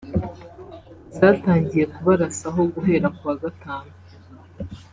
zatangiye kubarasaho guhera ku wa Gatanu